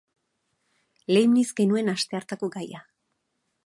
Leibniz genuen aste hartako gaia.